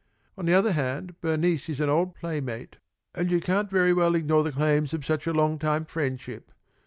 On the other hand, Bernice is an old playmate, and you can't very well ignore the claims of such a long time friendship.